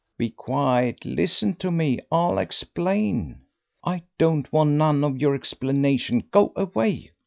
"Be quiet; listen to me. I'll explain." "I don't want none of your explanation. Go away."